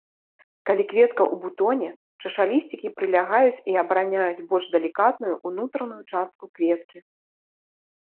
Калі кветка ў бутоне, чашалісцікі прылягаюць і абараняюць больш далікатную ўнутраную частку кветкі.